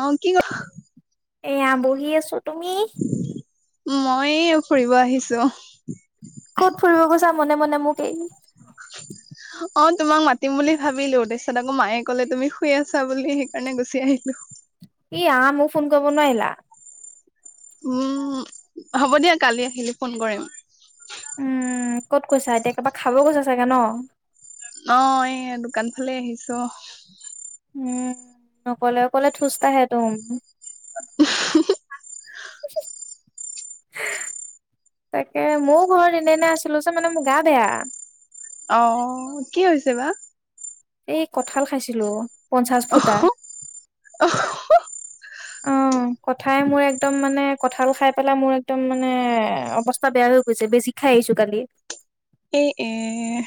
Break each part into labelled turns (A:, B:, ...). A: অ কি ক
B: এয়া বহি আছো তুমি?
A: মই ফুৰিব আহিছো।
B: কত ফুৰিব গৈছা মনে-মনে মোক এৰি?
A: [inaudible] অ তোমাক মাতিম বুলি ভাবিলো, তাৰপিছত আকৌ মায়ে কলে তুমি শুই আছা বুলি সেইকাৰণে গুচি আহিলো।
B: কি আহ মোক ফোন কৰিব নোৱাৰিলা।
A: উম, হ'ব দিয়া কালি আহিলে ফোন কৰিম।
B: উম! ক'ত গৈছা এতিয়া? কিবা খাব গৈছা চাগে ন?
A: অ এই দোকান ফালে আহিছো।
B: উম, অকলে অকলে ঠোজ তাহে তোম।
A: উম হু হু।
B: [unintelligible] তাকে মোৰ ঘৰত এনে-এনেই আছিলো যে মানে মোৰ গা বেয়া।
A: অ কি হৈছে বা
B: এই কঁঠাল খাইছিলো পঞ্চাশ ফুটা।
A: অ [unintelligible]
B: উম, কথাই মোৰ একদম মানে কঁঠাল খাই পেলাই মোৰ একদম মানে অৱস্থা বেয়া হৈ গৈছে। বেজি খাই আহিছোঁ কালি।
A: এই এ!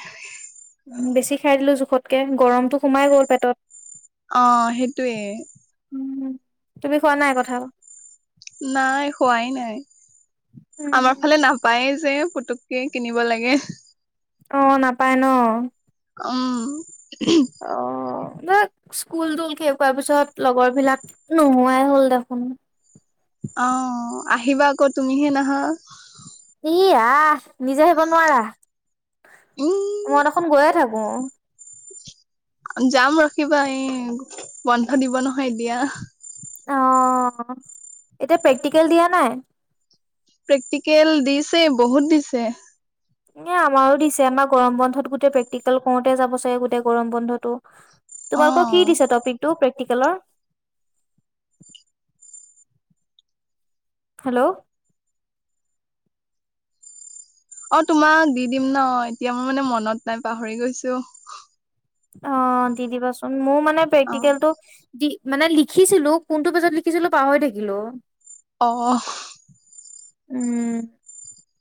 B: বেছি খাই দিলো জোখতকে, গৰমটো সোমাই গল পেটত।
A: অ সেইটোৱে।
B: উম, তুমি খোৱা নাই কঠাল?
A: নাই হোৱাই নাই, আমাৰ
B: উম
A: ফালে নাপায় যে। ফটুককে কিনিব লাগে।
B: অঁ! নাপায় ন।
A: উম।
B: অ! বা স্কুল-তোল শেষ হোৱাৰ পিছত লগৰবিলাক নোহোৱাই হ'ল দেখোন।
A: অঁ আহিবা আকৌ তুমিহে নাহা?
B: ই আহ নিজে আহিব নোৱাৰা?
A: উম
B: মই দেখোন গৈয়ে থাকো।
A: যাম ৰখিবা এই বন্ধ দিব নহয় এতিয়া।
B: অঁ! এতিয়া প্ৰেক্টিকেল দিয়া নাই?
A: প্ৰেক্টিকেল দিছে বহুত দিছে।
B: এ আমাৰো দিছে আমাৰ গৰম বন্ধত গোটেই প্ৰেক্টিকেল কৰোতে যাব চাগে গোটেই গৰম বন্ধতটো।
A: অ
B: তোমালোকৰ কি দিছে টপিকটো প্ৰেক্টিকেলৰ? হেল্ল'
A: অ তোমাক দি দিম ন এতিয়া মোৰ মানে মনত নাই পাহৰি গৈছো।
B: অ দি দিবাচোন মোৰ মানে
A: অ
B: প্ৰেক্টিকেলটো দি- মানে লিখিছিলো কোনটো পেজত লিখিছিলো পাহৰি থাকিলো।
A: অ
B: উম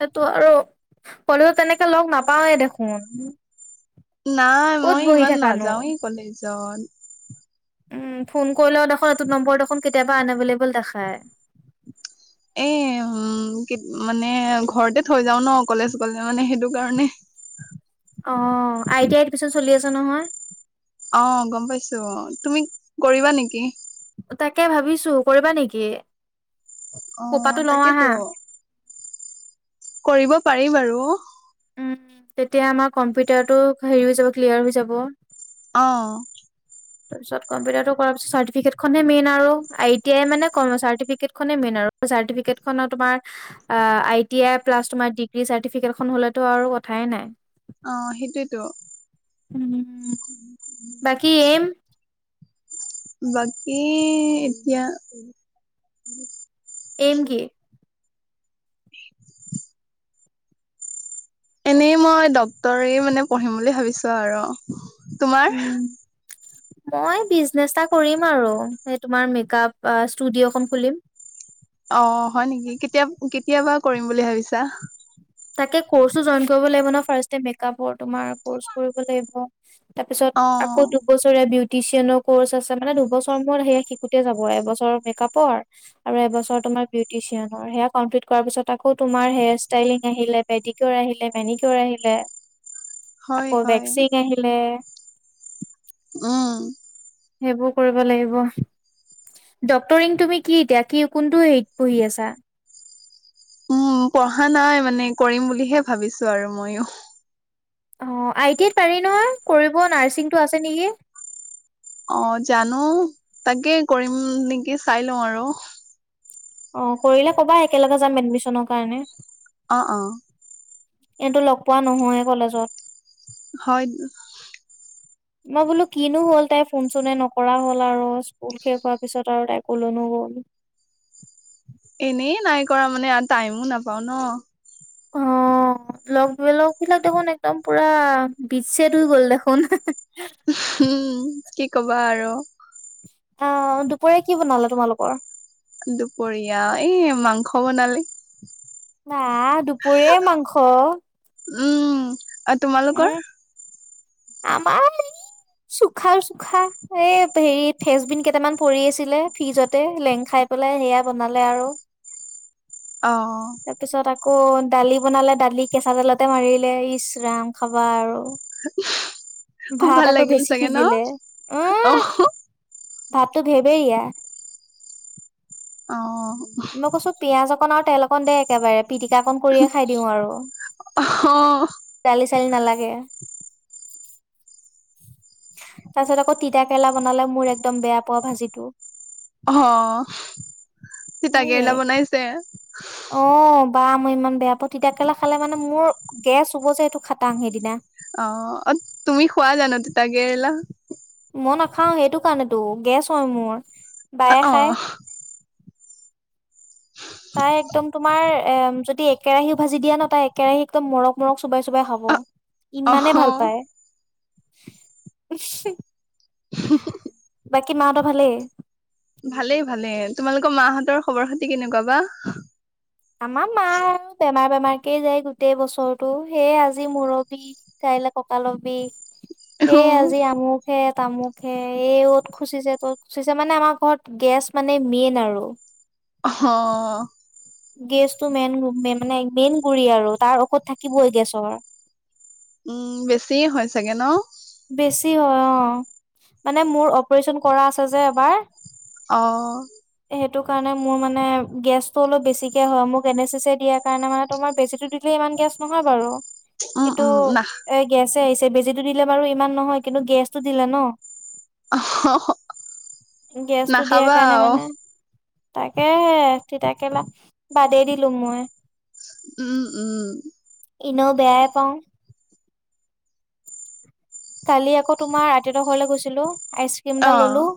B: সেইটো আৰু কলেও তেনেকে লগ নাপাওৱেই দেখোন।
A: নাই
B: ক'ত
A: মই
B: বহি
A: ইমান
B: থাকানো
A: নাযাওঁৱেই কলেজত-
B: উম ফোন কৰিলেও দেখোন এইটো নম্বৰ দেখোন কেতিয়াবা আন এভেইলেবল দেখায়।
A: এ উম মানে ঘৰতে থৈ যাও ন কলেজ গলে মানে সেইটো কাৰণে
B: অ আইটি এডমিচন চলি আছে নহয়।
A: অ গম পাইছো তুমি কৰিবা নেকি-
B: তাকে ভাবিছো কৰিবা নেকি?
A: অ
B: কোকা'টো লও
A: তাকেতো
B: আহা।
A: কৰিব পাৰি বাৰু।
B: উম তেতিয়া আমাৰ কম্পিউটাৰটো হেৰি হৈ যাব ক্লিয়াৰ হৈ যাব।
A: অ
B: তাৰপিছত কম্পিউটাৰটো কৰাৰ পিছত চাৰটিফিকেটখনে মেইন আৰু আই টি আই মানে চাৰ্টিফিকেটনে মেইন আৰু চাৰ্টিফিকেত খন আৰু তোমাৰ আই টি আই, প্লাছ তোমাৰ ডিগ্ৰী চাৰ্টিফিকেট এখন হলেতো ঠাই নাই।
A: অ সেইটোয়েইেতো-
B: উ বাকি এম?
A: বাকী এতিয়া-
B: এম কি?
A: [inaudible] এনেই মই ডক্তৰে মানে পঢ়িম বুলি ভাবিছো আৰু তোমাৰ?
B: উম মই বিজনেচ এটা কৰিম আৰু এই তোমাৰ মেকআপ ষ্টুডিঅ'খন খুলিম।
A: অ হয় নেকি কেতিয়া কেতিয়াবা কৰিম বুলি ভাবিছা।
B: তাকে কৰ্চো জইন কৰিব লাগিব ন ফাৰ্চতে মেকাপৰ তোমাৰ কৰ্চবোৰ কৰিব লাগিব। তাৰপিছত
A: অ
B: আকৌ দুবছৰীয়া বিউ টিচিয়নৰ কৰ্চ আছে মানে দুবছৰ মোৰ সেয়া শিকোতে যাব আৰু এবছৰ মেকআপৰ আৰু এবছৰ তোম মাৰ বিউটিচিয়ানৰ সেয়া কমপ্লিট কৰাৰ পিছত আকৌ তোমাৰ হেয়াৰ ষ্টাইলিং আহিলে, পেদি কিউৰ আহিলে, মেনিকিউৰ আহিলে
A: হয়
B: আকৌ
A: হয়
B: ভেক্সিং আহিলে।
A: উম।
B: সেইবোৰ কৰিব লাগিব। ডক্তৰিং তুমি কি এতিয়া কি কোনটো হেৰিত পঢ়ি আছা?
A: উম, পঢ়া নাই মানে কৰিম বুলিহে ভাবিছো আৰু ময়ো।
B: অ আই টি আইত পাৰি নহয় কৰিব নাৰ্ছিংটো আছে নেকি।
A: অ জানো তাকে কৰিম নেকি চাই লওঁ আৰু।
B: অ কৰিলে কবা একেলগে যাম এডমিচনৰ কাৰণে।
A: অ' অ'।
B: এনেতো লগ পোৱা নহয়ে কলেজত।
A: হয়।
B: মই বোলো কিনো হল তাই ফোন চোনে নকৰা হ'ল আৰু স্কুল শেষ হোৱাৰ পিছত আৰু তাই কলৈনো গল। গ'ল।
A: এনেই নাই কৰা মানে আ টাইমো নাপাওঁ ন।
B: অ' লগ বি লগ বিলাক দেখোন একদম পুৰা বিচ্ছেদ হৈ গ'ল দেখোন।
A: উম কি কবা আৰু।
B: অ দুপৰীয়া কি বনালা তোমালোকৰ?
A: দুপৰীয়া এই মাংস বনালি।
B: বা দুপৰীয়াই মাংস!
A: উম আৰু তোমালোকৰ?
B: উম, আমাৰ চুখাও চুখা এই হেৰি ফেচবিন কেটামান পৰি আছিলে ফ্ৰিজতে লেং খাই পেলাই সেয়া বনালে আৰু। তাৰপিছত
A: অ'।
B: আকৌ দালি বনালে দালি কেঁচা তেলতে মাৰিলে ইচৰাম খাবা আৰু।
A: খুব
B: ভাত
A: ভাল
B: আকৌ
A: লাগিল
B: বেছি
A: চাগে ন?
B: সিজিলে
A: অ
B: উম ভাতটো ভেৰভেৰিয়া।
A: অ'।
B: মই কৈছো পিয়াঁজ অকন আৰু তেল অকণ দে একেবাৰে পিটিকা অকণ কৰিয়ে খাই দিওঁ আৰু।
A: অ'।
B: চেল নালাগে। তাৰ পিছত আকৌ তিতাকেৰলা বনালে মোৰ একদম বেয়া পোৱা ভাজিটো।
A: অ'
B: সেয়ে
A: তিতাকেৰেলা বনাইছে?
B: অ' বা মই ইমান বেয়া পাওঁ তিতাকেৰলা খালে মানে মোৰ গেছ হ'ব যে এইটো খাটাং সেইদিনা।
A: অ' অ তুমি খোৱা জানো তিতাকেৰেলা?
B: মই নাখাওঁ সেইটো কাৰণেতো গেছ হয় মোৰ। বায়ে খাই
A: অ'।
B: তাই একদম তোমাৰ এম যদি এক কেৰাহীও ভাজি দিয়া ন তাই এক কেৰাহী একদম মৰক মৰক চোবাই চোবাই খাব। ইমানে ভাল
A: অ',
B: পায়।
A: হে হো
B: বাকী মা হঁতৰ ভালেই?
A: ভালেই ভালেই। ‌ তোমালোকৰ মা হঁতৰ খবৰ খাতি কেনেকুৱা বা?
B: আমাৰ মা বেমাৰ বেমাৰ কে যাই গোটেই বছৰতো। সেয়ে আজি মূৰৰ বিষ, কাইলে কঁকালৰ বিষ। এই
A: অ',
B: আজি আমুক হে তামুক হে এই অ'ত খুচিছে ত'ত খুচিছে মানে আমাৰ ঘৰত গেছ মানে মেইন আৰু।
A: অ হঅ
B: গেছতটো মেইন মানে মেইন গুৰি আৰু তাৰ ঔষধ থাকিবই গেছৰ
A: উম বেছি হয় চাগে ন-
B: ই অ মানে মোৰ অপাৰেচন কৰা আছে যে এবাৰ
A: অ
B: সেইটো কাৰণে মোৰ মানে গেছটো অলপ বেছিকে হয় মোক এন এ ছি ছি এ দিয়াৰ কাৰণে তোমাৰ বেছি টো দিলে। মান গেছ নহয় বাৰু।
A: উম,
B: কিন্তু
A: উম, নাখ
B: এ গেছে আহিছে বেজিটো দিলে বাৰু ইমান নহয় কিন্তু গেছটো দিলে ন-
A: অ',
B: গেছটো দিয়াৰ
A: নাখাবা
B: কাৰণে
A: আৰু
B: মানে তাকে তিতাকেলা বাদেই দিলোং মই-
A: উম উম।
B: এনেও বেয়াই পাওঁ। কালি আকৌ তোমাৰ আইততৰ ঘৰলৈ গৈছিলো আইচক্ৰীম এটা ললো।
A: অ',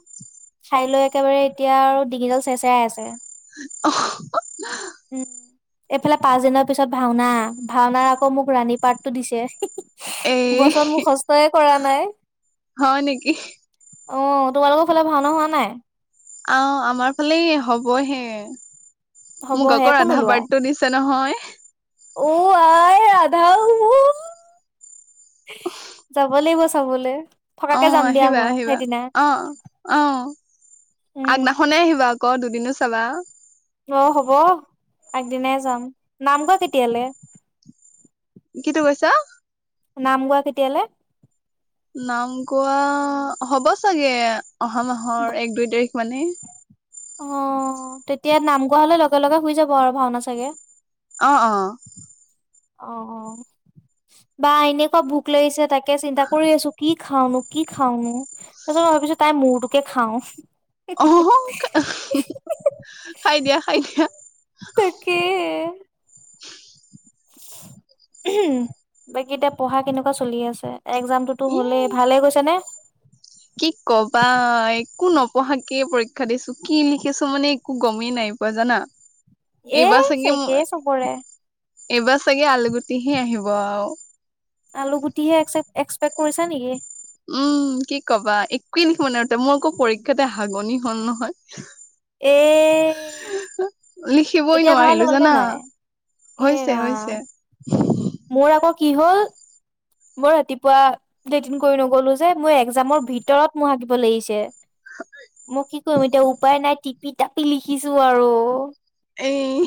B: খাই লৈ একেবাৰে এতিয়া আৰু ডিঙিডাল চেৰ চেৰাই আছে। উম
A: অহ
B: এইফালে পাঁচ দিনৰ পিছত ভাওনা, ভাওনাৰ আকৌ মোক ৰাণী পাৰ্টতো দিছে। হি হি
A: এ
B: তয় কৰা নাই অ তোমালোকৰ ফালে ভাওনা হোৱা নাই
A: অ আমাৰ ফালে হবহে মোক
B: হ'বহে
A: আকৌ
B: একো
A: ৰাধাৰ
B: নোলোৱা
A: পাৰ্ডটো দিছে নহয়।
B: অ- আই ৰাধা যাব লাগিব চা চাবলে থকাকে
A: অহ
B: যাম দিয়া মই
A: আহিবা-আহিবা।
B: সেইদিনা
A: অহ, অহ।
B: উম
A: আগদিখনে আহিবা আ অ দুদিনো চালা।
B: অ হ'ব, আগদিনাই যাম নামঘ কেতিয়ালে
A: কি তো কৈছা
B: নাম গোৱা কেতিয়ালে
A: নাম গোৱা হ'ব চাগে, অহা মাহৰ এক দুই তাৰিখ মানে
B: অহ, তেতিয়া নাম গোৱা হলে লগে-লগে হই যাব আৰু ভাওনা চাগে?
A: অ অ
B: অ অ বা এনেকুৱা ভোক লাগিছে তাকে চিন্তা কৰি আছো কি খাওনো কি খাওনো তাৰ--ছত ভাবিছোঁ তাই মূৰটোকে খাওঁ
A: অ খাই দিয়া খাই দিয়া
B: তাকে বাকী এতিয়া পঢ়া কেনেকুৱা চলি আছে। একজামটোতো
A: ই
B: হ'লেই ভালে গৈছে নে
A: কি কবা একো নপঢ়াকে পৰীক্ষা দিছো কি লিখিছো মানে একো গমেই নাই পোৱা জানা
B: এ
A: এইবাৰ চাগে
B: চাইকে চবৰে
A: এইবাৰ চাগে আলুগুটিহে আহিব আও।
B: আলু গুটিহে এক এক্সপেক্ট কৰিছা নিকি?
A: উম কি কবা একোৱে লিখিব নুৱা ত মোৰ আকৌ পৰীক্ষাতে হাগনি হল নহয়
B: এ
A: লিখিবই
B: এতিয়া ভাল
A: নোৱাৰিলো
B: হ'লনে
A: জানা
B: নাই? এ
A: হৈছে
B: ৰাম।
A: হৈছে
B: মোৰ আকৌ কি হ'ল মই ৰাতিপুৱা লেটিন কৰি নগলো যে মোৰ একজামৰ ভিতৰত মোৰ হাগিব লাগিছে মই কি কৰিম এতিয়া উপায় নাই টিপি টাপি লিখিছোঁ আৰু।
A: এই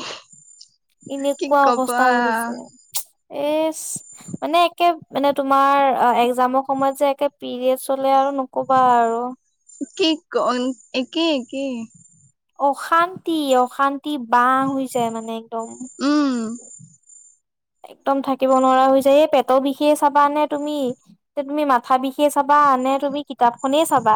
A: কি
B: এনেকুৱা
A: কবা
B: অৱস্থা হৈ গৈছে এ মানে একে মানে তোমাৰ একজামৰ সময়ত যে একে পিৰিয়েড এয়া আৰু নকবা আৰু।
A: একেই একেই
B: অশান্তি অশান্তি বাহ হৈ যায় মানে একদম
A: উম
B: একদম থাকিব নোৱাৰা হৈ যায় এই পেটৰ বিষে চাবা নে তুমি, নে তুমি মাথা বিষে চাবা। নে তুমি কিতাপখনেই চাবা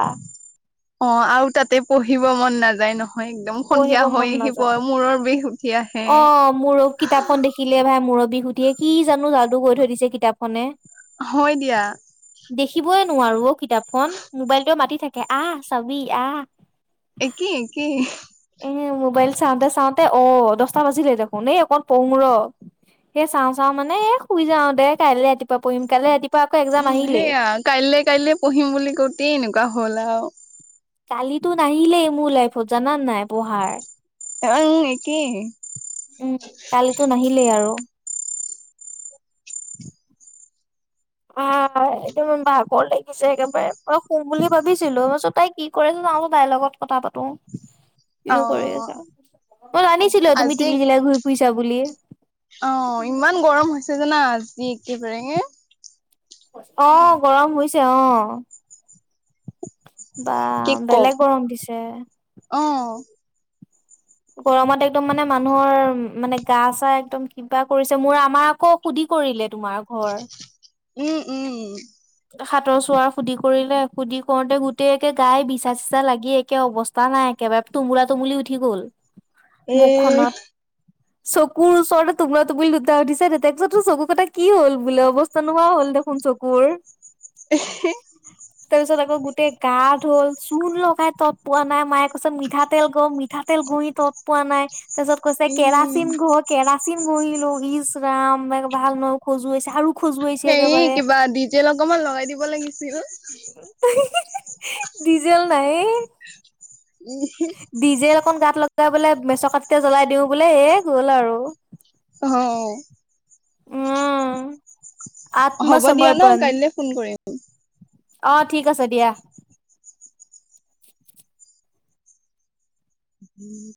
A: অ আৰু তাতে পঢ়িব মন নাযায় ন। একদম
B: পঢ়িব
A: সন্ধিয়া
B: মন
A: হৈ আহিব
B: নাযায়
A: মূৰৰ বিষ উঠি আহে
B: অ মোৰো কিতাপখন দেখিলে ভাই মূৰত বিহুটিয়ে কি জানো যাদু কৈ থৈ দিছে কিতাপখনে
A: হয় দিয়া
B: দেখিবয়ই নোৱাৰো অ কিতাপখন মোবাইলটো মাতি থাকে আহ, চাবি, আহ।
A: একেই একেই
B: এ মোবাইল চাওঁতে চাওঁতে অ দহটা বাজিলে দেখোন এই অকন পয়োং ৰহ সেই চাওঁ চাওঁ মানে এ শুই যাও দে কাইলৈ ৰাতিপোৱা পঢ়িম কালে ৰাতিপুৱা আকৌ এক্জাম
A: উম
B: আহিলেই
A: সেইয়া কাইলে কাইলে পঢ়িম বুলি কওতে এনেকুৱা হ'ল আৰু
B: কালিতো নাহিলেই মোৰ লাইফত জানান নাই পঢ়াৰ
A: আৰু উম একেই
B: উম! কালিতো নাহিলেই আৰু। অ- হয় একদম ভাগৰ লাগি গৈছে একেবাৰে অলপ শুম বুলি ভাবিছিলোঁ মই চব তাই কি কৰি আছে জানো তাইৰ লগত কথা পাতো কি
A: অ
B: নো কৰি আছা মই জানিছিলোয়ে তুমি
A: আজি
B: টিঘিল ঘিলাই ঘুৰি ফুৰিছা তাবুলিয়ে
A: অ ইমান গৰম হৈছে জানা আজি একেবাৰে
B: অ গৰম হৈছে অ বা, বেলেগ গৰম দিছে
A: অহ।
B: গৰমত একদম মানে মানুহৰ মানে গা চা একদম কিবা কৰিছে মোৰ আমাৰ আকৌ সুধি কৰিলে তোমাৰ ঘৰ
A: উম! উম!
B: হাতৰ চোৱাৰ সুধি কৰিলে সুধি কৰোতে গোটেইকে গাই বিচা চিচা লাগি একে অৱস্থা নাই একবাৰে তুমোলা তুমুলি উঠি গ'ল
A: এ
B: মুখখনত চকুৰ ওচৰতে টোপোলা- টোপোলি দুটা উঠিছে দে তাৰ পিছত চকুকেইটা কি হল বোলে অৱস্থা নোহোৱা হ'ল দেখোন চকুৰ
A: এই হি [unintelligible]
B: তাৰপিছত আকৌ গোটেই গা ধুল চূণ লগাই তত পোৱা নাই মায়ে কৈছে মিঠাতেল গহ মিঠাতেল কৰি তত পোৱা নাই তাৰছত কৈছে
A: উম
B: কেৰাচিন ঘহ কেৰাচিন বহিলো ইচ ৰাম ভাল নহ খজুৱাইছে আৰু খজুৱাইছে
A: হেৰি
B: একেবাৰে
A: কিবা ডিজেল অকমান লগাই দিব লাগিছিল
B: ডিজেল নাইয়ে
A: উম!
B: তাত লগাই বোলে মেছৰ কাটিতে জ্বলাই দিও বোলে এ গল আৰু
A: অ
B: উম আত্ম
A: হ'ব দিয়া ন
B: চামাৰৰ্পণ
A: কাইলৈ ফোন কৰিম।
B: আহ ঠিক আছে দিয়া।
A: উম!